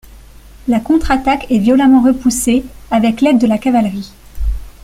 La contre-attaque est violemment repoussée, avec l'aide de la cavalerie.